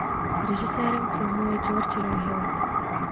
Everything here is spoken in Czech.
Režisérem filmu je George Roy Hill.